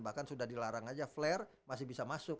bahkan sudah dilarang saja flare masih bisa masuk